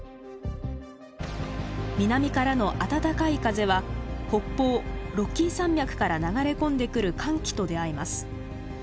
南からの温かい風は北方ロッキー山脈から流れ込んでくる寒気と出会います。